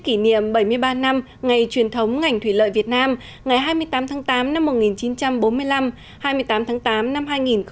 kỷ niệm bảy mươi ba năm ngày truyền thống ngành thủy lợi việt nam ngày hai mươi tám tháng tám năm một nghìn chín trăm bốn mươi năm hai mươi tám tháng tám năm hai nghìn một mươi chín